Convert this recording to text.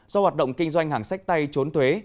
do hoạt động kinh doanh hàng sách tay trốn thuế